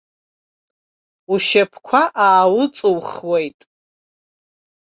Ушьапқәа аауҵухуеит.